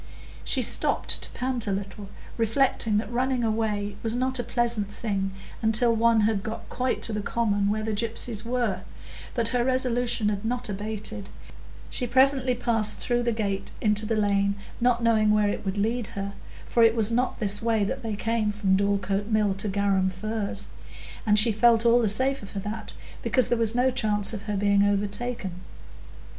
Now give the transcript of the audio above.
She stopped to pant a little, reflecting that running away was not a pleasant thing until one had got quite to the common where the gypsies were, but her resolution had not abated; she presently passed through the gate into the lane, not knowing where it would lead her, for it was not this way that they came from Dorlcote Mill to Garum Firs, and she felt all the safer for that, because there was no chance of her being overtaken.